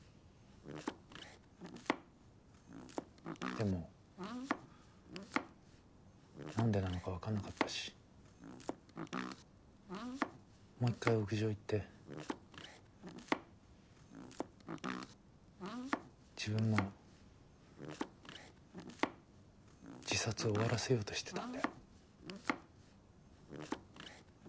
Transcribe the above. でも何でなのか分かんなかったしもう一回屋上行って自分の自殺を終わらせようとしてたんだよ。